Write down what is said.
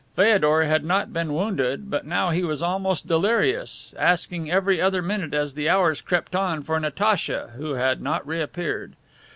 Feodor had not been wounded, but now he was almost delirious, asking every other minute as the hours crept on for Natacha, who had not reappeared.